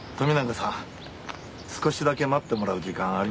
少しだけ待ってもらう時間ありますか？